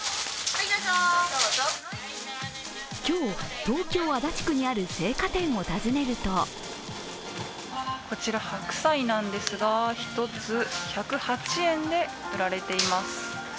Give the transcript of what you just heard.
今日、東京・足立区にある青果店を訪ねるとこちら白菜なんですが、１つ１０８円で売られています。